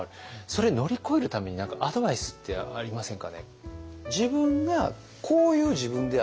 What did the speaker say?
それ乗り越えるために何かアドバイスってありませんかね。